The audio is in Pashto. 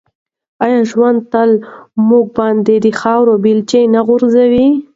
آیا ژوند تل په موږ باندې د خاورو بیلچې نه غورځوي؟